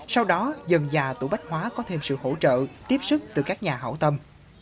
sau đó dần dà tù bách hóa có thêm sự hỗ trợ tiếp sức từ các nhà hảo tâm